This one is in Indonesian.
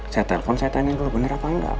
saya telpon saya tanya dulu bener apa enggak